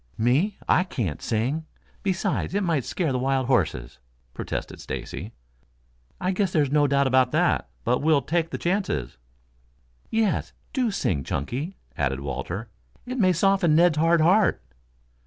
"Me? I can't sing. Besides it might scare the wild horses," protested Stacy. "I guess there's no doubt about that. But we'll take the chances." "Yes, do sing, Chunky," added Walter. "It may soften Ned's hard heart."